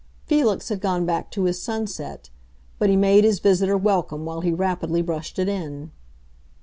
Felix had gone back to his sunset; but he made his visitor welcome while he rapidly brushed it in.